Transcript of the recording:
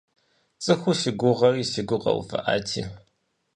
ЦӀыху си гугъэри си гур къэувыӀати!